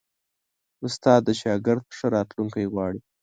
استاد د شاګرد ښه راتلونکی غواړي.